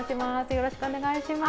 よろしくお願いします。